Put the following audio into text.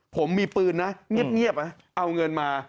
ผมมีปืนนะเงียบเอาเงินมา